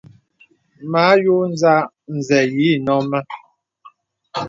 Mə àyɔ̄ɔ̄ zàà, zê yì nɔ̂ mə.